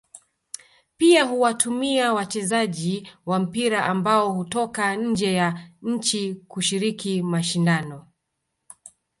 Pia huwatumia wachezaji wa mpira ambao hutoka nje ya nchi kushiriki mashindano